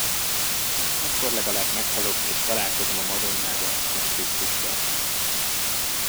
Akkor legalább meghalok, és találkozom a Madonnával meg Krisztussal.